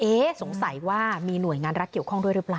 สงสัยว่ามีหน่วยงานรักเกี่ยวข้องด้วยหรือเปล่า